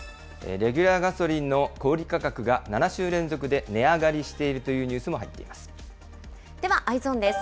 レギュラーガソリンの小売り価格が７週連続で値上がりしているとではＥｙｅｓｏｎです。